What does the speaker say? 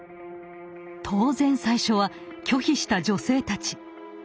当然最初は拒否した女性たち。